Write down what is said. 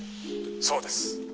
「そうです」